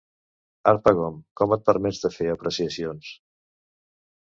Harpagon, com et permets de fer apreciacions?